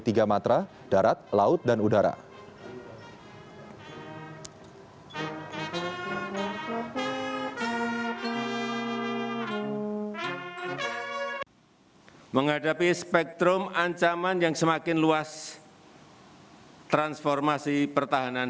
tiga matra darat laut dan udara menghadapi spektrum ancaman yang semakin luas transformasi pertahanan